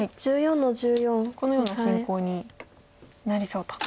このような進行になりそうと。